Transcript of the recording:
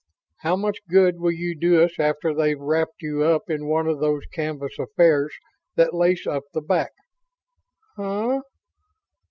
How much good will you do us after they've wrapped you up in one of those canvas affairs that lace up the back?" "Huh?